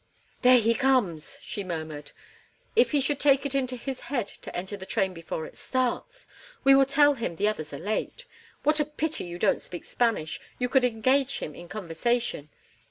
"There he comes!" she murmured. "If he should take it into his head to enter the train before it starts! We will tell him the others are late. What a pity you don't speak Spanish; you could engage him in conversation!